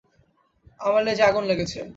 আমার লেজে আগুন লেগেছে!